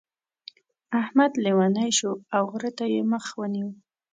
احمد لېونی شو او غره ته يې مخ ونيو.